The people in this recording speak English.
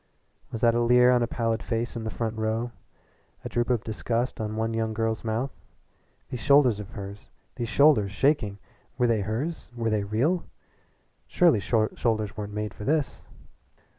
Was that a leer on a pallid face in the front row, a droop of disgust on one young girl's mouth? These shoulders of hers these shoulders shaking were they hers? Were they real? Surely shoulders weren't made for this!